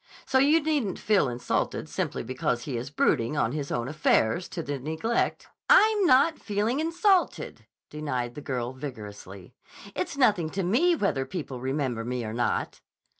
So you needn't feel insulted simply because he is brooding on his own affairs to the neglect—" "I'm not feeling insulted," denied the girl vigorously. "It's nothing to me whether people remember me or not."